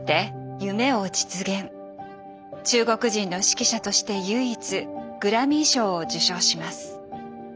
中国人の指揮者として唯一グラミー賞を受賞します。